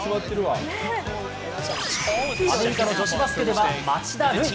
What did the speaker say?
アメリカの女子バスケでは町田瑠唯。